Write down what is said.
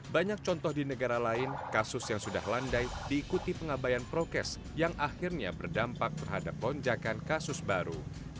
banyak contoh di negara lain kasus yang sudah landai diikuti pengabayan prokes yang akhirnya berdampak terhadap lonjakan kasus baru